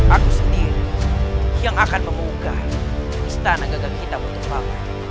aku sendiri yang akan memunggah istana gagal kita untuk pak man